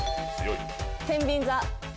てんびん座。